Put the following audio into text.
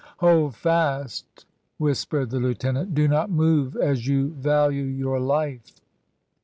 "Hold fast," whispered the Lieutenant, "do not move as you value your life."